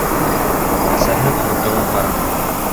Әсәһе онотоуын һораны.